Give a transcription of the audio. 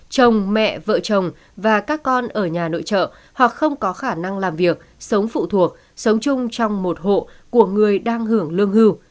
chồng mẹ vợ chồng và các con ở nhà nội trợ hoặc không có khả năng làm việc sống phụ thuộc sống chung trong một hộ của người đang hưởng lương hưu